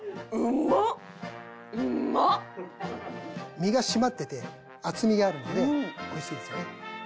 身が締まってて厚みがあるのでおいしいですよね。